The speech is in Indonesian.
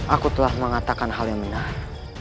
aku telah mengatakan hal yang benar